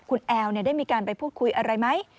คุณแอลได้มีการไปพูดคุยอะไรไหม